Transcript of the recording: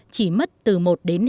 chỉ mất từ một đến hai giây